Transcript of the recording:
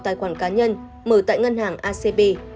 tài khoản cá nhân mở tại ngân hàng acb